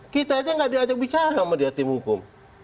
kita saja tidak diajak bicara sama di tim hukum